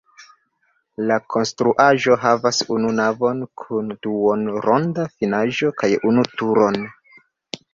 La konstruaĵo havas unu navon kun duonronda finaĵo kaj unu turon.